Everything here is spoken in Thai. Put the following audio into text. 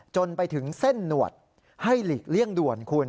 จนไปถึงเส้นหนวดให้หลีกเลี่ยงด่วนคุณ